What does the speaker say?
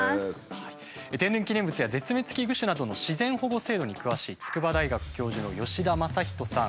天然記念物や絶滅危惧種などの自然保護制度に詳しい筑波大学教授の吉田正人さん